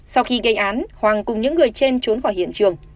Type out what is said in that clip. sau khi gây án hoàng cùng những người trên trốn khỏi hiện trường